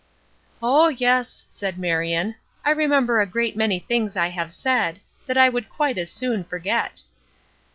"Oh, yes," said Marion. "I remember a great many things I have said, that I would quite as soon forget."